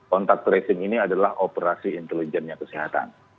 kontak tracing ini adalah operasi intelijennya kesehatan